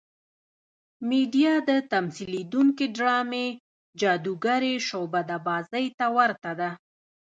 میډیا د تمثیلېدونکې ډرامې جادوګرې شعبده بازۍ ته ورته ده.